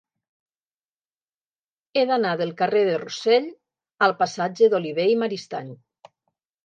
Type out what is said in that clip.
He d'anar del carrer de Rossell al passatge d'Olivé i Maristany.